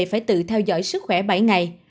phải tự theo dõi sức khỏe bảy ngày